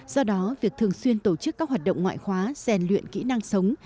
do đó việc thường xuyên tổ chức các hoạt động ngoại khóa rèn luyện kỹ năng sống